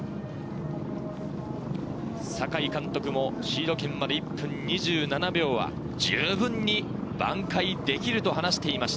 酒井監督もシード権まで１分２７秒が、十分に挽回できると話していました。